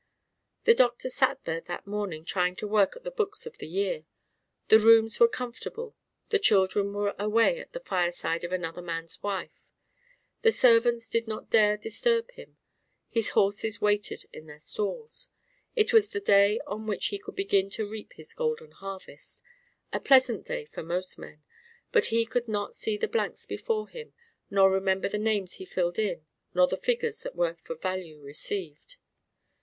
The doctor sat there that morning trying to work at the books of the year. The rooms were comfortable; the children were away at the fireside of another man's wife; the servants did not dare disturb him; his horses waited in their stalls; it was the day on which he could begin to reap his golden harvest a pleasant day for most men; but he could not see the blanks before him nor remember the names he filled in nor the figures that were for value received.